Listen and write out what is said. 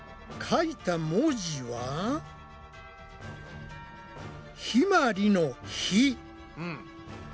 書いた文字はひまりの「ひ」。